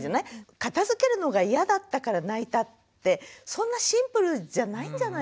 片づけるのが嫌だったから泣いたってそんなシンプルじゃないんじゃないかなって。